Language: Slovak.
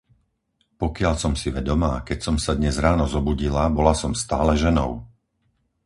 Pokiaľ som si vedomá, keď som sa dnes ráno zobudila, bola som stále ženou!